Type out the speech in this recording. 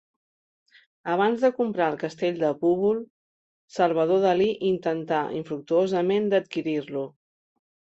Abans de comprar el castell de Púbol, Salvador Dalí intentà infructuosament d'adquirir-lo.